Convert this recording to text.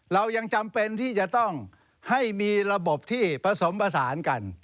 เรายังจำเป็นที่จะต้องให้มีระบบที่ผสมผสานกัน